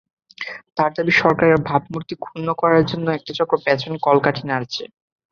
তাঁর দাবি, সরকারের ভাবমূর্তি ক্ষুণ্ন করার জন্য একটা চক্র পেছনে কলকাঠি নাড়ছে।